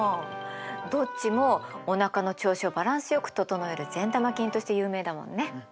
どっちもおなかの調子をバランスよく整える善玉菌として有名だもんね。